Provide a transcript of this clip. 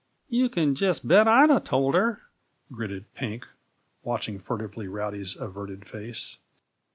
"You can jest bet I'd 'a' told her!" gritted Pink, watching furtively Rowdy's averted face.